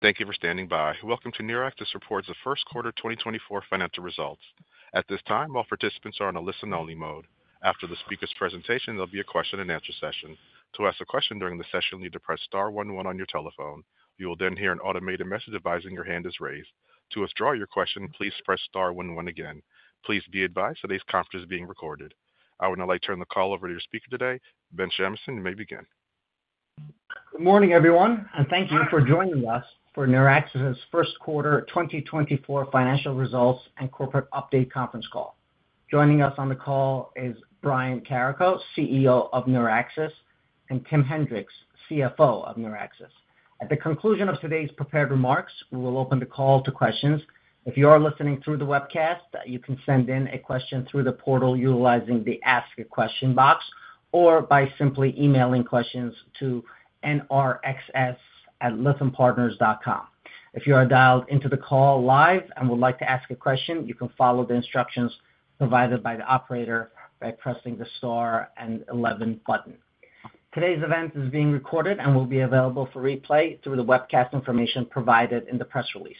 Thank you for standing by. Welcome to NeurAxis' reports of first quarter 2024 financial results. At this time, all participants are on a listen-only mode. After the speaker's presentation, there'll be a question-and-answer session. To ask a question during the session, you need to press star one one on your telephone. You will then hear an automated message advising your hand is raised. To withdraw your question, please press star one one again. Please be advised that today's conference is being recorded. I would now like to turn the call over to your speaker today, Ben Shamsian. You may begin. Good morning, everyone, and thank you for joining us for NeurAxis' first quarter 2024 financial results and corporate update conference call. Joining us on the call is Brian Carrico, CEO of NeurAxis, and Tim Henrichs, CFO of NeurAxis. At the conclusion of today's prepared remarks, we will open the call to questions. If you are listening through the webcast, you can send in a question through the portal utilizing the Ask a Question box, or by simply emailing questions to nrxs@lythampartners.com. If you are dialed into the call live and would like to ask a question, you can follow the instructions provided by the operator by pressing the star and eleven button. Today's event is being recorded and will be available for replay through the webcast information provided in the press release.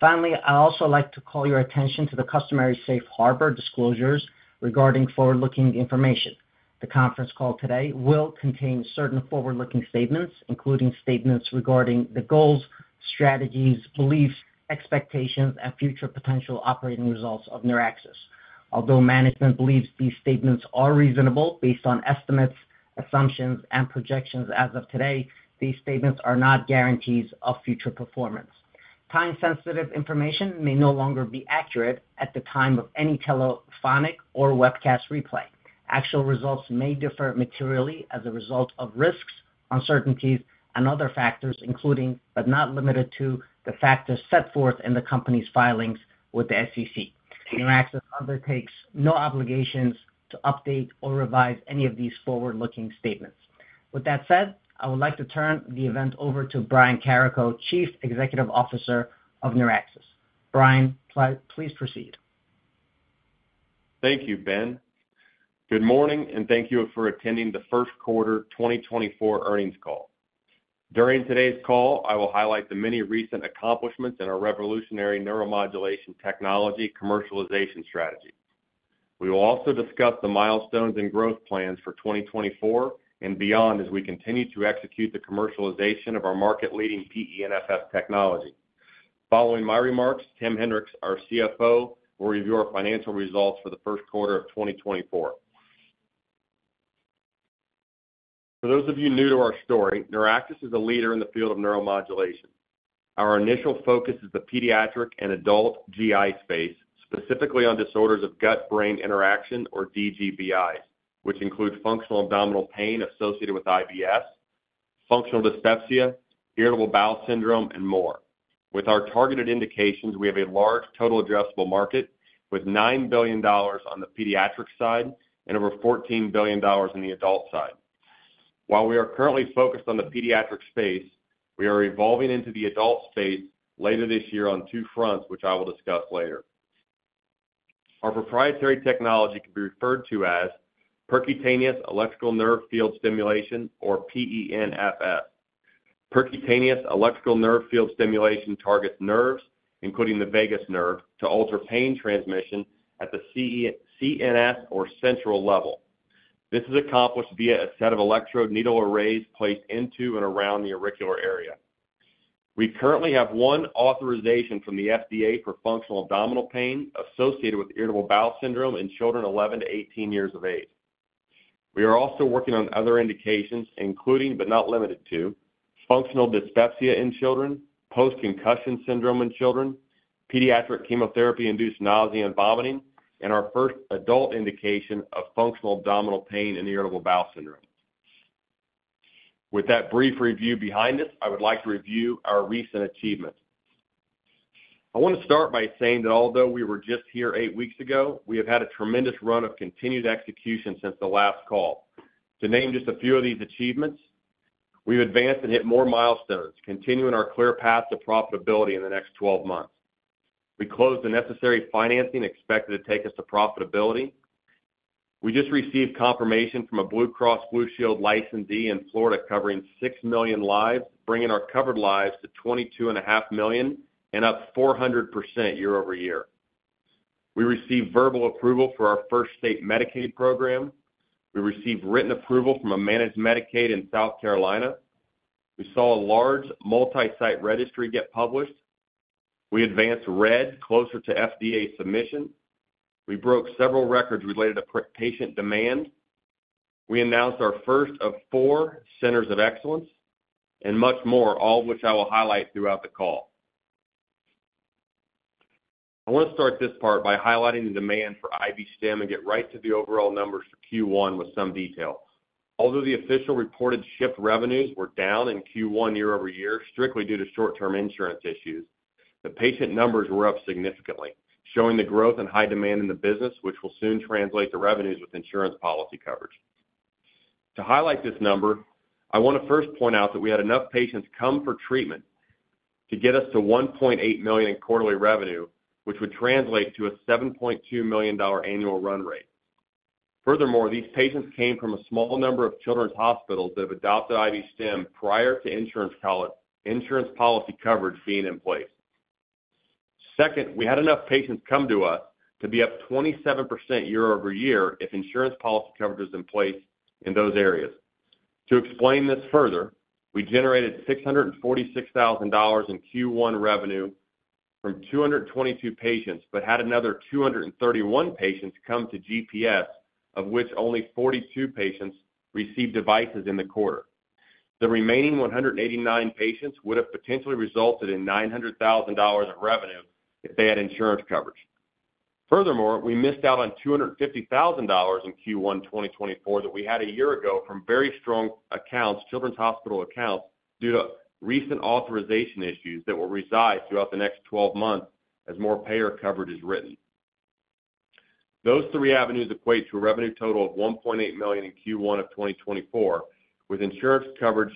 Finally, I'd also like to call your attention to the customary safe harbor disclosures regarding forward-looking information. The conference call today will contain certain forward-looking statements, including statements regarding the goals, strategies, beliefs, expectations, and future potential operating results of NeurAxis. Although management believes these statements are reasonable, based on estimates, assumptions, and projections as of today, these statements are not guarantees of future performance. Time-sensitive information may no longer be accurate at the time of any telephonic or webcast replay. Actual results may differ materially as a result of risks, uncertainties, and other factors, including, but not limited to, the factors set forth in the company's filings with the SEC. NeurAxis undertakes no obligations to update or revise any of these forward-looking statements. With that said, I would like to turn the event over to Brian Carrico, Chief Executive Officer of NeurAxis. Brian, please proceed. Thank you, Ben. Good morning, and thank you for attending the first quarter 2024 earnings call. During today's call, I will highlight the many recent accomplishments in our revolutionary neuromodulation technology commercialization strategy. We will also discuss the milestones and growth plans for 2024 and beyond as we continue to execute the commercialization of our market-leading PENFS technology. Following my remarks, Tim Henrichs, our CFO, will review our financial results for the first quarter of 2024. For those of you new to our story, NeurAxis is a leader in the field of neuromodulation. Our initial focus is the pediatric and adult GI space, specifically on disorders of gut-brain interaction, or DGBI, which includes functional abdominal pain associated with IBS, functional dyspepsia, irritable bowel syndrome, and more. With our targeted indications, we have a large total addressable market with $9 billion on the pediatric side and over $14 billion on the adult side. While we are currently focused on the pediatric space, we are evolving into the adult space later this year on two fronts, which I will discuss later. Our proprietary technology can be referred to as percutaneous electrical nerve field stimulation, or PENFS. Percutaneous electrical nerve field stimulation targets nerves, including the vagus nerve, to alter pain transmission at the CNS or central level. This is accomplished via a set of electrode needle arrays placed into and around the auricular area. We currently have one authorization from the FDA for functional abdominal pain associated with irritable bowel syndrome in children 11 to 18 years of age. We are also working on other indications, including, but not limited to, functional dyspepsia in children, post-concussion syndrome in children, pediatric chemotherapy-induced nausea and vomiting, and our first adult indication of functional abdominal pain and irritable bowel syndrome. With that brief review behind us, I would like to review our recent achievements. I want to start by saying that although we were just here eight weeks ago, we have had a tremendous run of continued execution since the last call. To name just a few of these achievements, we've advanced and hit more milestones, continuing our clear path to profitability in the next twelve months. We closed the necessary financing expected to take us to profitability. We just received confirmation from a Blue Cross Blue Shield licensee in Florida, covering 6 million lives, bringing our covered lives to 22.5 million, and up 400% year-over-year. We received verbal approval for our first state Medicaid program. We received written approval from a managed Medicaid in South Carolina. We saw a large multi-site registry get published. We advanced RED closer to FDA submission. We broke several records related to patient demand. We announced our first of four Centers of Excellence, and much more, all of which I will highlight throughout the call. I want to start this part by highlighting the demand for IB-Stim and get right to the overall numbers for Q1 with some details. Although the official reported shipped revenues were down in Q1 year-over-year, strictly due to short-term insurance issues, the patient numbers were up significantly, showing the growth and high demand in the business, which will soon translate to revenues with insurance policy coverage. To highlight this number, I want to first point out that we had enough patients come for treatment to get us to $1.8 million in quarterly revenue, which would translate to a $7.2 million annual run rate. Furthermore, these patients came from a small number of children's hospitals that have adopted IB-Stim prior to insurance policy coverage being in place. Second, we had enough patients come to us to be up 27% year-over-year if insurance policy coverage was in place in those areas. To explain this further, we generated $646,000 in Q1 revenue from 222 patients, but had another 231 patients come to GPS, of which only 42 patients received devices in the quarter. The remaining 189 patients would have potentially resulted in $900,000 of revenue if they had insurance coverage. Furthermore, we missed out on $250,000 in Q1 2024 that we had a year ago from very strong accounts, children's hospital accounts, due to recent authorization issues that will reside throughout the next 12 months as more payer coverage is written. Those three avenues equate to a revenue total of $1.8 million in Q1 2024, with insurance coverage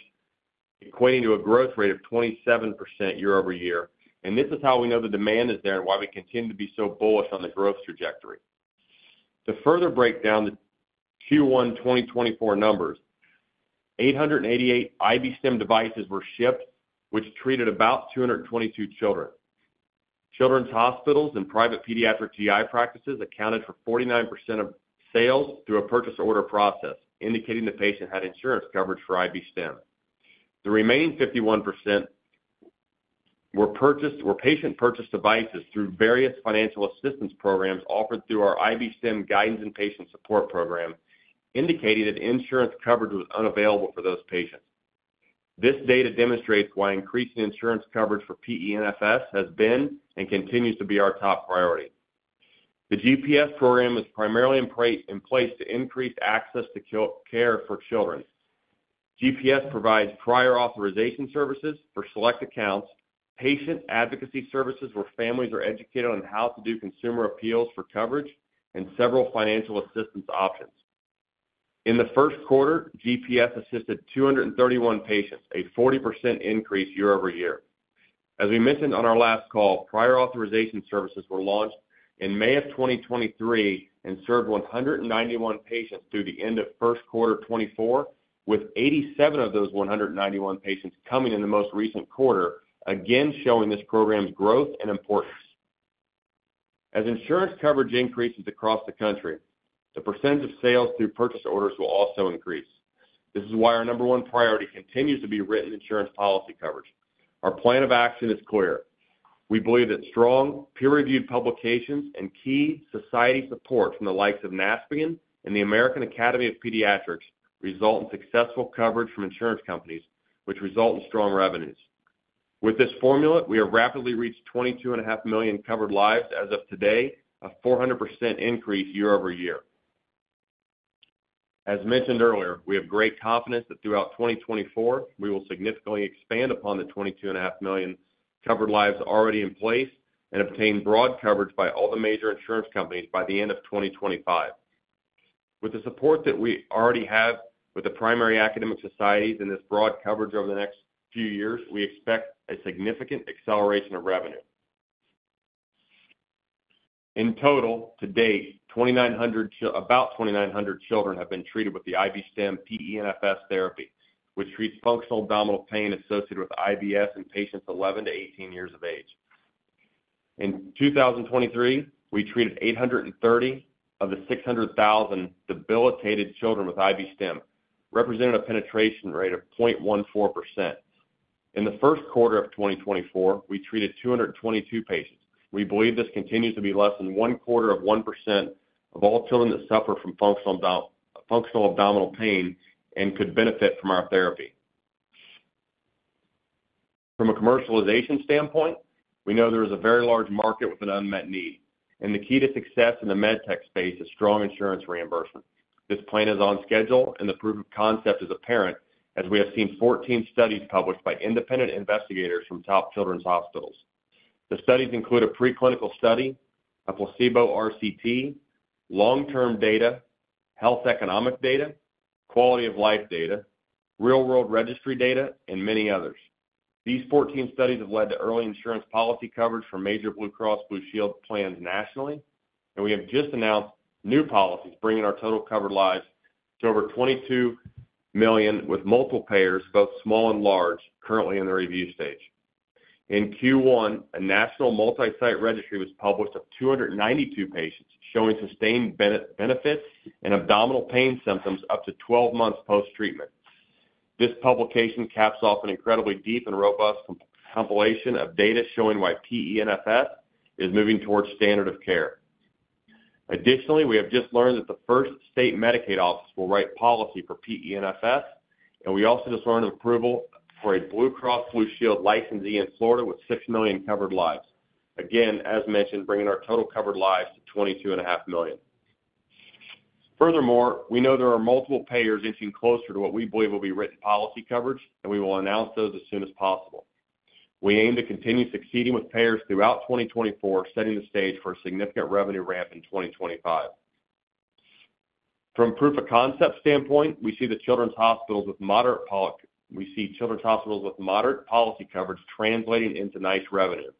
equating to a growth rate of 27% year-over-year, and this is how we know the demand is there and why we continue to be so bullish on the growth trajectory. To further break down the Q1 2024 numbers, 888 IB-Stim devices were shipped, which treated about 222 children. Children's hospitals and private pediatric GI practices accounted for 49% of sales through a purchase order process, indicating the patient had insurance coverage for IB-Stim. The remaining 51% were patient-purchased devices through various financial assistance programs offered through our IB-Stim Guidance and Patient Support program, indicating that insurance coverage was unavailable for those patients. This data demonstrates why increasing insurance coverage for PENFS has been and continues to be our top priority. The GPS program is primarily in place to increase access to childcare for children. GPS provides prior authorization services for select accounts, patient advocacy services, where families are educated on how to do consumer appeals for coverage, and several financial assistance options. In the first quarter, GPS assisted 231 patients, a 40% increase year-over-year. As we mentioned on our last call, prior authorization services were launched in May of 2023 and served 191 patients through the end of first quarter 2024, with 87 of those 191 patients coming in the most recent quarter, again, showing this program's growth and importance. As insurance coverage increases across the country, the percentage of sales through purchase orders will also increase. This is why our number one priority continues to be written insurance policy coverage. Our plan of action is clear. We believe that strong, peer-reviewed publications and key society support from the likes of NASPGHAN and the American Academy of Pediatrics result in successful coverage from insurance companies, which result in strong revenues. With this formula, we have rapidly reached 22.5 million covered lives as of today, a 400% increase year-over-year. As mentioned earlier, we have great confidence that throughout 2024, we will significantly expand upon the 22.5 million covered lives already in place and obtain broad coverage by all the major insurance companies by the end of 2025. With the support that we already have with the primary academic societies and this broad coverage over the next few years, we expect a significant acceleration of revenue. In total, to date, about 2,900 children have been treated with the IB-Stim PENFS therapy, which treats functional abdominal pain associated with IBS in patients 11-18 years of age. In 2023, we treated 830 of the 600,000 debilitated children with IB-Stim, representing a penetration rate of 0.14%. In the first quarter of 2024, we treated 222 patients. We believe this continues to be less than one quarter of 1% of all children that suffer from functional abdominal pain and could benefit from our therapy. From a commercialization standpoint, we know there is a very large market with an unmet need, and the key to success in the med tech space is strong insurance reimbursement. This plan is on schedule, and the proof of concept is apparent, as we have seen 14 studies published by independent investigators from top children's hospitals. The studies include a preclinical study, a placebo RCT, long-term data, health economic data, quality of life data, real-world registry data, and many others. These 14 studies have led to early insurance policy coverage for major Blue Cross Blue Shield plans nationally, and we have just announced new policies, bringing our total covered lives to over 22 million, with multiple payers, both small and large, currently in the review stage. In Q1, a national multi-site registry was published of 292 patients, showing sustained benefits and abdominal pain symptoms up to 12 months post-treatment. This publication caps off an incredibly deep and robust compilation of data showing why PENFS is moving towards standard of care. Additionally, we have just learned that the first state Medicaid office will write policy for PENFS, and we also just learned of approval for a Blue Cross Blue Shield licensee in Florida with 6 million covered lives. Again, as mentioned, bringing our total covered lives to 22.5 million. Furthermore, we know there are multiple payers inching closer to what we believe will be written policy coverage, and we will announce those as soon as possible. We aim to continue succeeding with payers throughout 2024, setting the stage for a significant revenue ramp in 2025. From a proof of concept standpoint, we see children's hospitals with moderate policy coverage translating into nice revenue.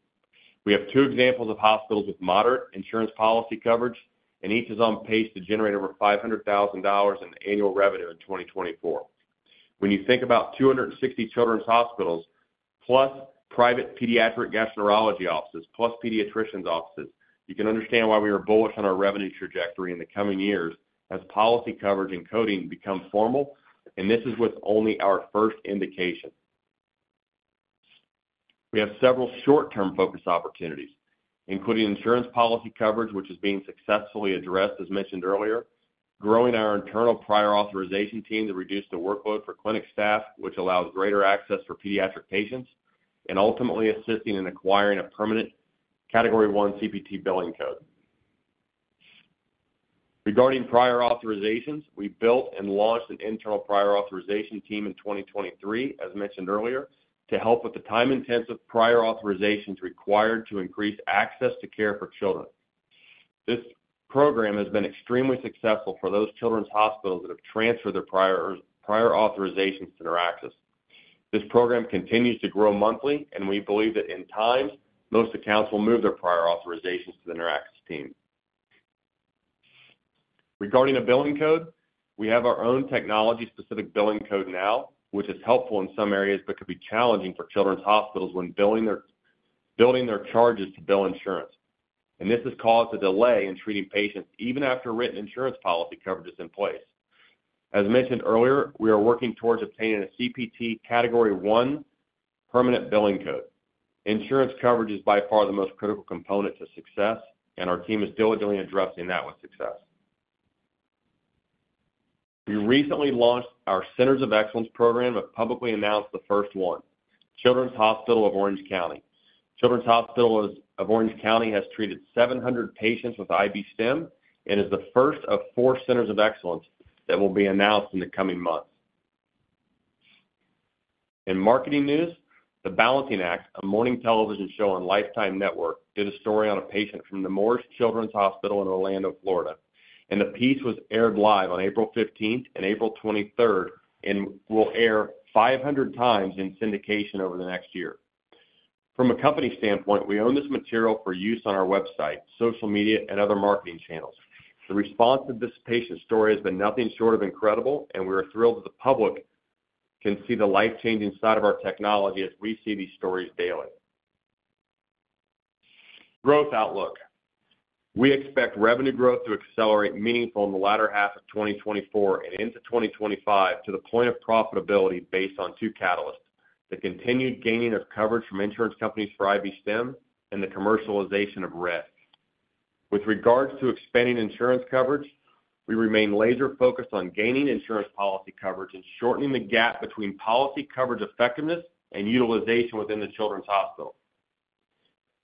We have two examples of hospitals with moderate insurance policy coverage, and each is on pace to generate over $500,000 in annual revenue in 2024. When you think about 260 children's hospitals, plus private pediatric gastroenterology offices, plus pediatricians' offices, you can understand why we are bullish on our revenue trajectory in the coming years as policy coverage and coding become formal, and this is with only our first indication. We have several short-term focus opportunities, including insurance policy coverage, which is being successfully addressed, as mentioned earlier, growing our internal prior authorization team to reduce the workload for clinic staff, which allows greater access for pediatric patients, and ultimately assisting in acquiring a permanent Category I CPT billing code. Regarding prior authorizations, we built and launched an internal prior authorization team in 2023, as mentioned earlier, to help with the time-intensive prior authorizations required to increase access to care for children. This program has been extremely successful for those children's hospitals that have transferred their prior authorizations to NeurAxis. This program continues to grow monthly, and we believe that in time, most accounts will move their prior authorizations to the NeurAxis team. Regarding a billing code, we have our own technology-specific billing code now, which is helpful in some areas, but could be challenging for children's hospitals when billing their charges to bill insurance. And this has caused a delay in treating patients even after a written insurance policy coverage is in place. As mentioned earlier, we are working towards obtaining a CPT Category I permanent billing code. Insurance coverage is by far the most critical component to success, and our team is diligently addressing that with success. We recently launched our Centers of Excellence program, but publicly announced the first one, Children's Hospital of Orange County. Children's Hospital of Orange County has treated 700 patients with IB-Stim and is the first of four Centers of Excellence that will be announced in the coming months. In marketing news, The Balancing Act, a morning television show on Lifetime Network, did a story on a patient from the Nemours Children's Hospital in Orlando, Florida, and the piece was aired live on April fifteenth and April 23rd, and will air 500 times in syndication over the next year. From a company standpoint, we own this material for use on our website, social media, and other marketing channels. The response of this patient's story has been nothing short of incredible, and we are thrilled that the public can see the life-changing side of our technology as we see these stories daily. Growth outlook. We expect revenue growth to accelerate meaningful in the latter half of 2024 and into 2025, to the point of profitability based on two catalysts: the continued gaining of coverage from insurance companies for IB-Stim and the commercialization of RED. With regards to expanding insurance coverage, we remain laser focused on gaining insurance policy coverage and shortening the gap between policy coverage effectiveness and utilization within the Children's Hospital.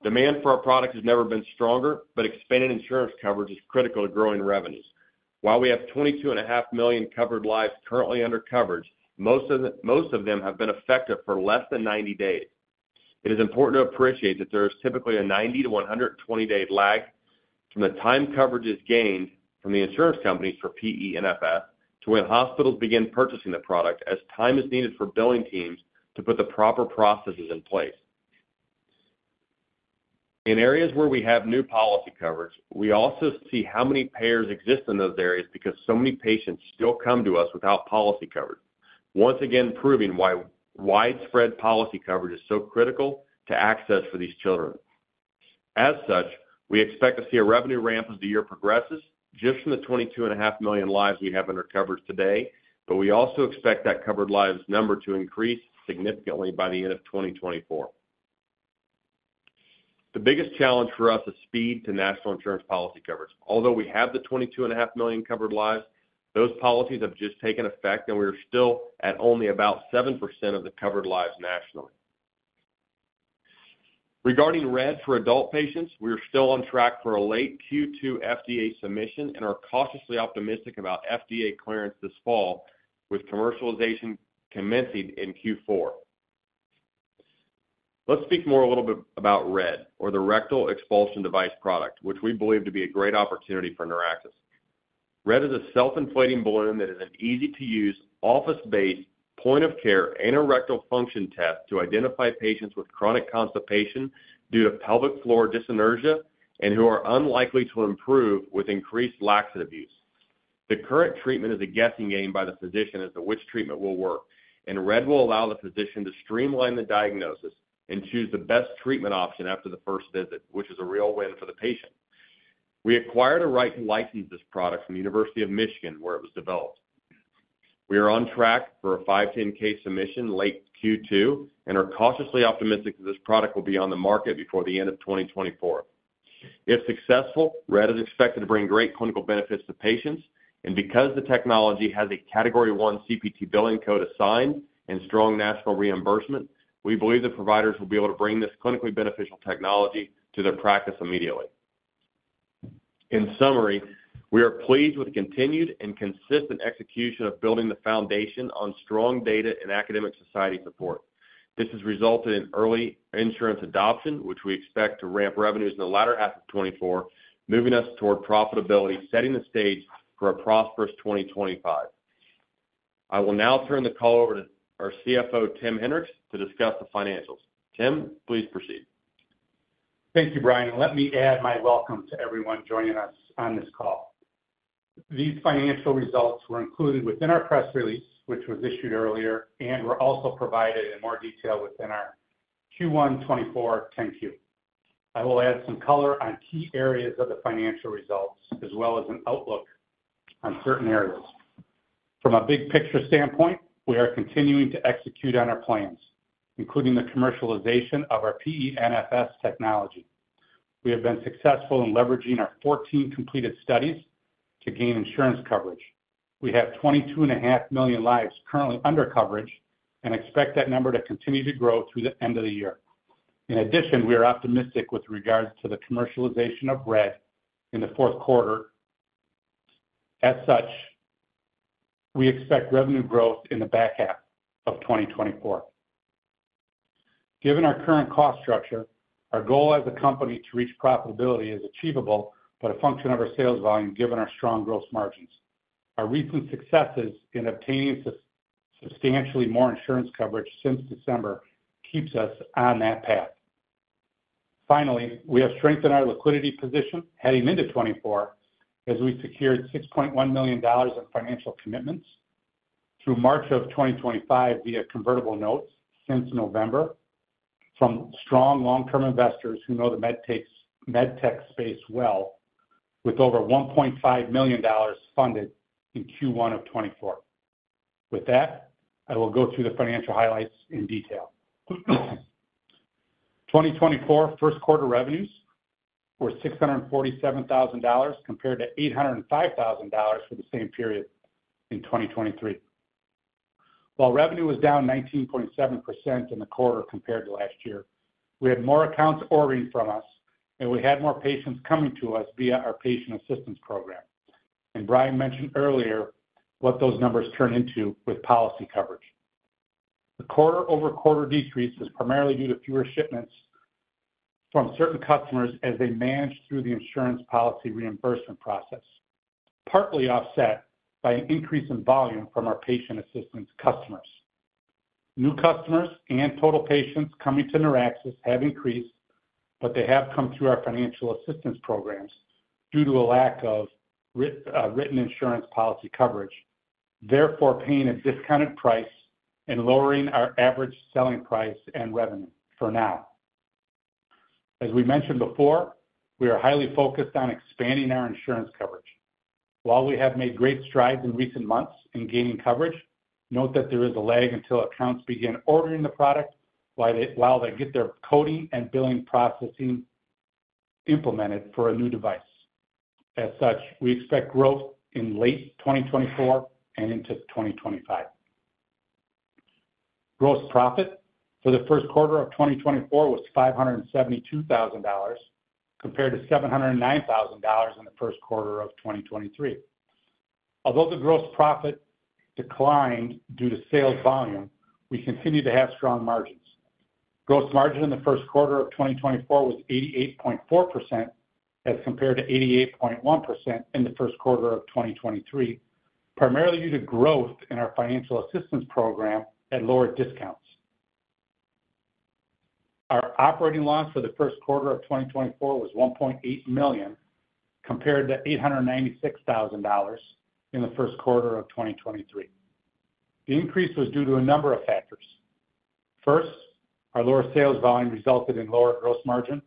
Demand for our product has never been stronger, but expanding insurance coverage is critical to growing revenues. While we have 22.5 million covered lives currently under coverage, most of them, most of them have been effective for less than 90 days. It is important to appreciate that there is typically a 90 day-120-day lag from the time coverage is gained from the insurance companies for PENFS to when hospitals begin purchasing the product, as time is needed for billing teams to put the proper processes in place. In areas where we have new policy coverage, we also see how many payers exist in those areas because so many patients still come to us without policy coverage, once again proving why widespread policy coverage is so critical to access for these children. As such, we expect to see a revenue ramp as the year progresses, just from the 22.5 million lives we have under coverage today, but we also expect that covered lives number to increase significantly by the end of 2024. The biggest challenge for us is speed to national insurance policy coverage. Although we have the 22.5 million covered lives, those policies have just taken effect, and we are still at only about 7% of the covered lives nationally. Regarding RED for adult patients, we are still on track for a late Q2 FDA submission and are cautiously optimistic about FDA clearance this fall, with commercialization commencing in Q4. Let's speak more a little bit about RED, or the Rectal Expulsion Device product, which we believe to be a great opportunity for NeurAxis. RED is a self-inflating balloon that is an easy-to-use, office-based, point-of-care, anorectal function test to identify patients with chronic constipation due to pelvic floor dyssynergia and who are unlikely to improve with increased laxative use. The current treatment is a guessing game by the physician as to which treatment will work, and RED will allow the physician to streamline the diagnosis and choose the best treatment option after the first visit, which is a real win for the patient. We acquired a right to license this product from the University of Michigan, where it was developed. We are on track for a 510(k) submission late Q2 and are cautiously optimistic that this product will be on the market before the end of 2024. If successful, RED is expected to bring great clinical benefits to patients, and because the technology has a Category I CPT billing code assigned and strong national reimbursement, we believe that providers will be able to bring this clinically beneficial technology to their practice immediately. In summary, we are pleased with the continued and consistent execution of building the foundation on strong data and academic society support. This has resulted in early insurance adoption, which we expect to ramp revenues in the latter half of 2024, moving us toward profitability, setting the stage for a prosperous 2025.... I will now turn the call over to our CFO, Tim Henrichs, to discuss the financials. Tim, please proceed. Thank you, Brian. Let me add my welcome to everyone joining us on this call. These financial results were included within our press release, which was issued earlier, and were also provided in more detail within our Q1 2024 10-Q. I will add some color on key areas of the financial results, as well as an outlook on certain areas. From a big picture standpoint, we are continuing to execute on our plans, including the commercialization of our PENFS technology. We have been successful in leveraging our 14 completed studies to gain insurance coverage. We have 22.5 million lives currently under coverage and expect that number to continue to grow through the end of the year. In addition, we are optimistic with regards to the commercialization of RED in the fourth quarter. As such, we expect revenue growth in the back half of 2024. Given our current cost structure, our goal as a company to reach profitability is achievable, but a function of our sales volume, given our strong gross margins. Our recent successes in obtaining substantially more insurance coverage since December keeps us on that path. Finally, we have strengthened our liquidity position heading into 2024, as we secured $6.1 million of financial commitments through March of 2025 via convertible notes since November from strong long-term investors who know the med tech space well, with over $1.5 million funded in Q1 of 2024. With that, I will go through the financial highlights in detail. 2024 first quarter revenues were $647,000, compared to $805,000 for the same period in 2023. While revenue was down 19.7% in the quarter compared to last year, we had more accounts ordering from us, and we had more patients coming to us via our patient assistance program. Brian mentioned earlier what those numbers turn into with policy coverage. The quarter-over-quarter decrease is primarily due to fewer shipments from certain customers as they manage through the insurance policy reimbursement process, partly offset by an increase in volume from our patient assistance customers. New customers and total patients coming to NeurAxis have increased, but they have come through our financial assistance programs due to a lack of written insurance policy coverage, therefore, paying a discounted price and lowering our average selling price and revenue for now. As we mentioned before, we are highly focused on expanding our insurance coverage. While we have made great strides in recent months in gaining coverage, note that there is a lag until accounts begin ordering the product, while they get their coding and billing processing implemented for a new device. As such, we expect growth in late 2024 and into 2025. Gross profit for the first quarter of 2024 was $572,000, compared to $709,000 in the first quarter of 2023. Although the gross profit declined due to sales volume, we continue to have strong margins. Gross margin in the first quarter of 2024 was 88.4%, as compared to 88.1% in the first quarter of 2023, primarily due to growth in our financial assistance program at lower discounts. Our operating loss for the first quarter of 2024 was $1.8 million, compared to $896,000 in the first quarter of 2023. The increase was due to a number of factors. First, our lower sales volume resulted in lower gross margin,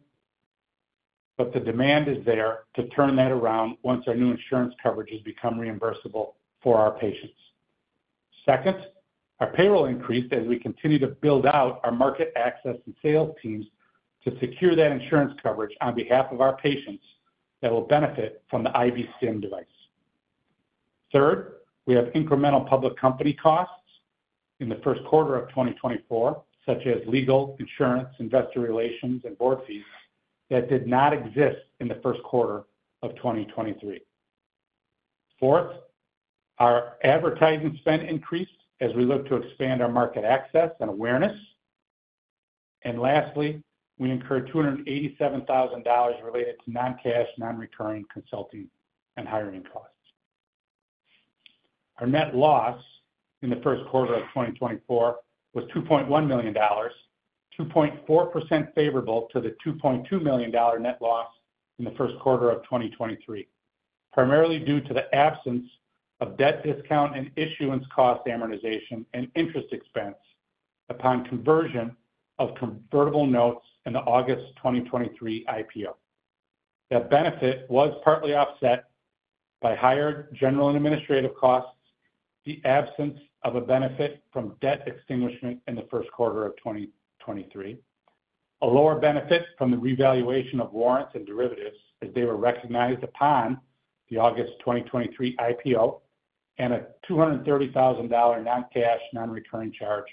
but the demand is there to turn that around once our new insurance coverages become reimbursable for our patients. Second, our payroll increased as we continue to build out our market access and sales teams to secure that insurance coverage on behalf of our patients that will benefit from the IB-Stim device. Third, we have incremental public company costs in the first quarter of 2024, such as legal, insurance, investor relations, and board fees, that did not exist in the first quarter of 2023. Fourth, our advertising spend increased as we look to expand our market access and awareness. Lastly, we incurred $287,000 related to non-cash, non-recurring consulting and hiring costs. Our net loss in the first quarter of 2024 was $2.1 million, 2.4% favorable to the $2.2 million net loss in the first quarter of 2023, primarily due to the absence of debt discount and issuance cost amortization and interest expense upon conversion of convertible notes in the August 2023 IPO. That benefit was partly offset by higher general and administrative costs, the absence of a benefit from debt extinguishment in the first quarter of 2023, a lower benefit from the revaluation of warrants and derivatives as they were recognized upon the August 2023 IPO, and a $230,000 non-cash, non-recurring charge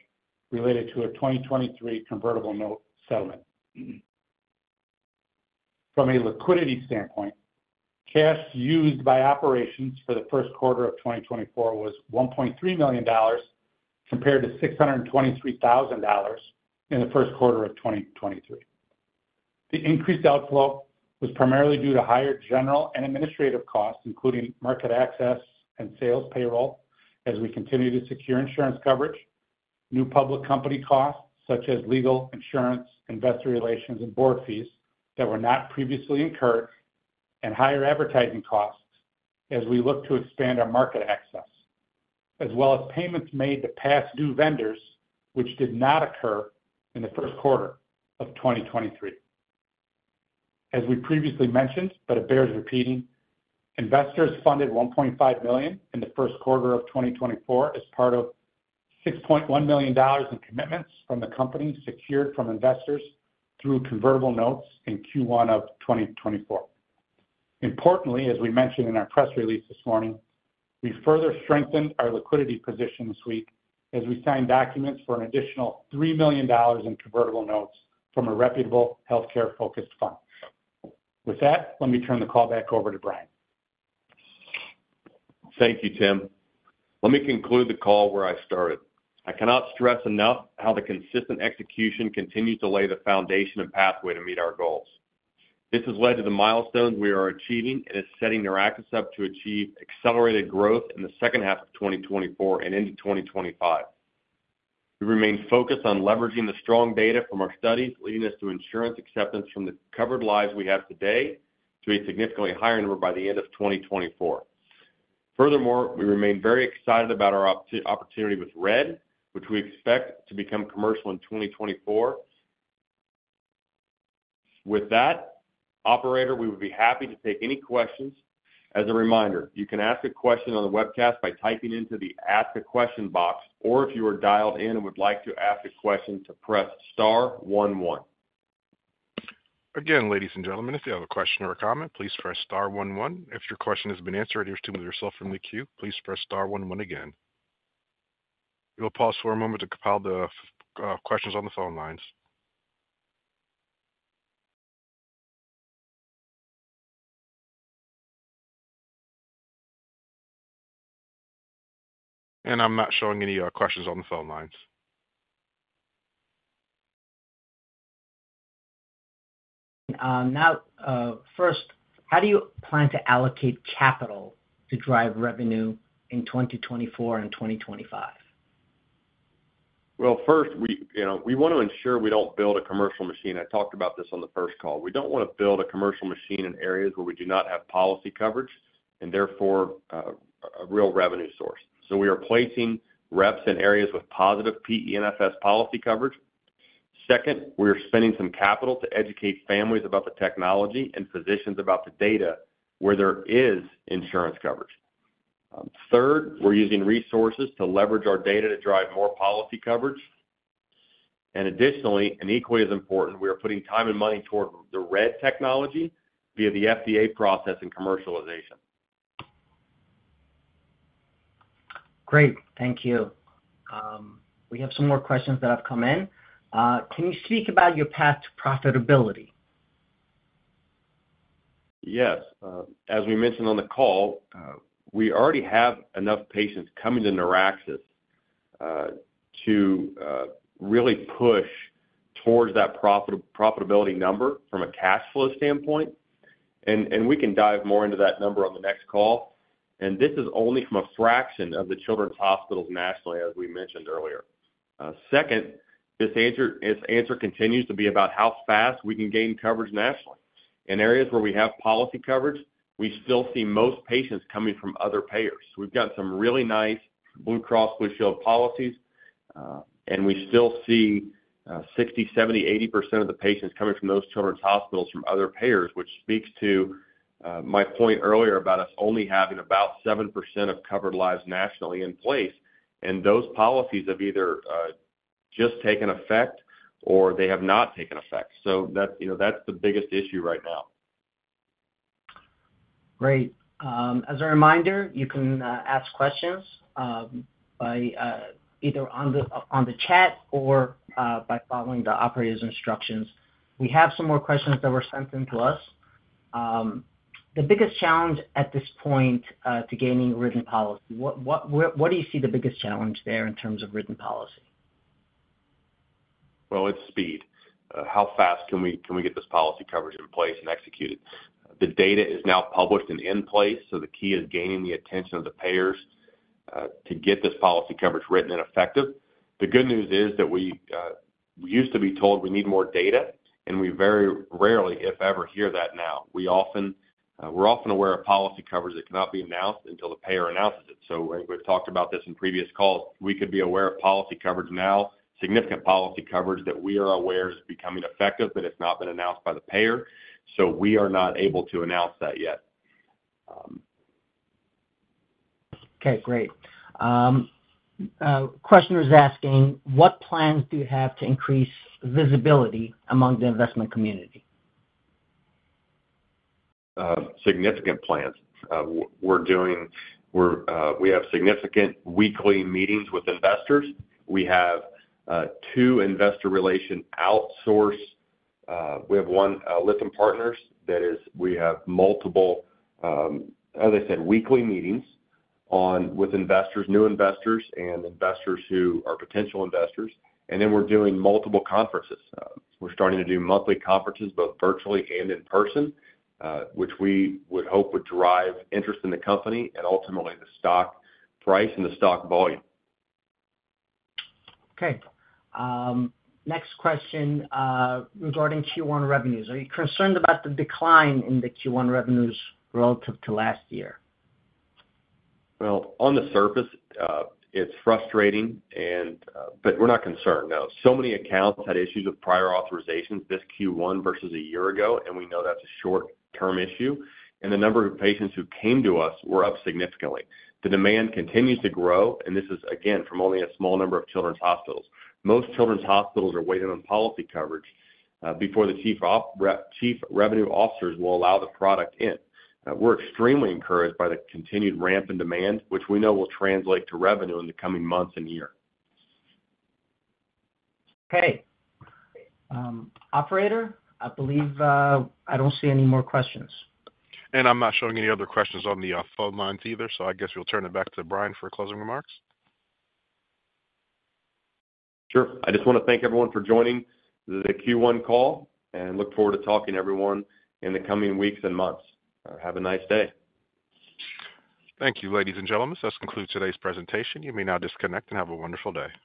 related to a 2023 convertible note settlement. From a liquidity standpoint, cash used by operations for the first quarter of 2024 was $1.3 million, compared to $623,000 in the first quarter of 2023.... The increased outflow was primarily due to higher general and administrative costs, including market access and sales payroll, as we continue to secure insurance coverage, new public company costs such as legal, insurance, investor relations, and board fees that were not previously incurred, and higher advertising costs as we look to expand our market access, as well as payments made to past due vendors, which did not occur in the first quarter of 2023. As we previously mentioned, but it bears repeating, investors funded $1.5 million in the first quarter of 2024 as part of $6.1 million in commitments from the company secured from investors through convertible notes in Q1 of 2024. Importantly, as we mentioned in our press release this morning, we further strengthened our liquidity position this week as we signed documents for an additional $3 million in convertible notes from a reputable healthcare-focused fund. With that, let me turn the call back over to Brian. Thank you, Tim. Let me conclude the call where I started. I cannot stress enough how the consistent execution continues to lay the foundation and pathway to meet our goals. This has led to the milestones we are achieving and is setting NeurAxis up to achieve accelerated growth in the second half of 2024 and into 2025. We remain focused on leveraging the strong data from our studies, leading us to insurance acceptance from the covered lives we have today to a significantly higher number by the end of 2024. Furthermore, we remain very excited about our opportunity with RED, which we expect to become commercial in 2024. With that, operator, we would be happy to take any questions. As a reminder, you can ask a question on the webcast by typing into the Ask a Question box, or if you are dialed in and would like to ask a question, to press star one one. Again, ladies and gentlemen, if you have a question or a comment, please press star one one. If your question has been answered and you're still on the queue, please press star one one again. We'll pause for a moment to compile the questions on the phone lines. And I'm not showing any questions on the phone lines. Now, first, how do you plan to allocate capital to drive revenue in 2024 and 2025? Well, first, we, you know, we want to ensure we don't build a commercial machine. I talked about this on the first call. We don't want to build a commercial machine in areas where we do not have policy coverage, and therefore, a real revenue source. So we are placing reps in areas with positive PENFS policy coverage. Second, we are spending some capital to educate families about the technology and physicians about the data where there is insurance coverage. Third, we're using resources to leverage our data to drive more policy coverage. And additionally, and equally as important, we are putting time and money toward the RED technology via the FDA process and commercialization. Great, thank you. We have some more questions that have come in. Can you speak about your path to profitability? Yes. As we mentioned on the call, we already have enough patients coming to NeurAxis, to really push towards that profitability number from a cash flow standpoint, and we can dive more into that number on the next call. This is only from a fraction of the children's hospitals nationally, as we mentioned earlier. Second, this answer continues to be about how fast we can gain coverage nationally. In areas where we have policy coverage, we still see most patients coming from other payers. We've got some really nice Blue Cross Blue Shield policies, and we still see, 60%, 70%, 80% of the patients coming from those children's hospitals from other payers, which speaks to, my point earlier about us only having about 7% of covered lives nationally in place, and those policies have either, just taken effect or they have not taken effect. So that's, you know, that's the biggest issue right now. Great. As a reminder, you can ask questions by either on the chat or by following the operator's instructions. We have some more questions that were sent in to us. The biggest challenge at this point to gaining written policy, what do you see the biggest challenge there in terms of written policy? Well, it's speed. How fast can we get this policy coverage in place and executed? The data is now published and in place, so the key is gaining the attention of the payers to get this policy coverage written and effective. The good news is that we used to be told we need more data, and we very rarely, if ever, hear that now. We often, we're often aware of policy coverage that cannot be announced until the payer announces it. So and we've talked about this in previous calls, we could be aware of policy coverage now, significant policy coverage that we are aware is becoming effective, but it's not been announced by the payer, so we are not able to announce that yet. Okay, great. A questioner is asking: What plans do you have to increase visibility among the investment community? Significant plans. We're doing. We have significant weekly meetings with investors. We have two investor relation outsource. We have one, Lytham Partners. That is, we have multiple, as I said, weekly meetings on with investors, new investors and investors who are potential investors. And then we're doing multiple conferences. We're starting to do monthly conferences, both virtually and in person, which we would hope would drive interest in the company and ultimately the stock price and the stock volume. Okay. Next question, regarding Q1 revenues. Are you concerned about the decline in the Q1 revenues relative to last year? Well, on the surface, it's frustrating and... but we're not concerned, no. So many accounts had issues with prior authorizations this Q1 versus a year ago, and we know that's a short-term issue, and the number of patients who came to us were up significantly. The demand continues to grow, and this is, again, from only a small number of children's hospitals. Most children's hospitals are waiting on policy coverage before the Chief Revenue Officers will allow the product in. We're extremely encouraged by the continued rampant demand, which we know will translate to revenue in the coming months and year. Okay. Operator, I believe, I don't see any more questions. I'm not showing any other questions on the phone lines either, so I guess we'll turn it back to Brian for closing remarks. Sure. I just want to thank everyone for joining the Q1 call, and look forward to talking to everyone in the coming weeks and months. Have a nice day. Thank you, ladies and gentlemen. This concludes today's presentation. You may now disconnect and have a wonderful day.